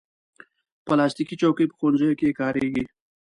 پلاستيکي چوکۍ په ښوونځیو کې کارېږي.